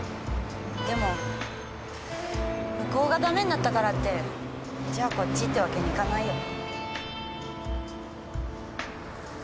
でも向こうがダメになったからってじゃあこっちってわけにいかないよ。